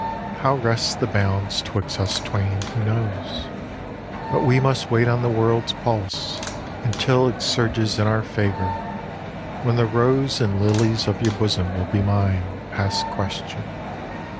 How rests the balance 'twixt us twain, who knows Y But we must wait on the world's pulse, until It surges in our favour, when the rose And lilies of your bosom will be mine Past question.